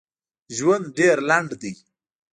ژوند ډېر لنډ ده